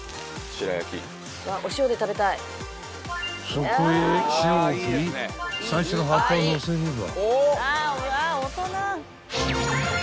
［そこへ塩を振りサンショウの葉っぱをのせれば］